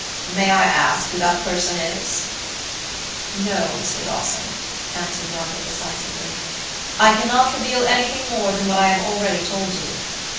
"May I ask who that person is?" "No, Mr. Dawson," answered Robert, decisively; "I cannot reveal anything more than what I have already told you.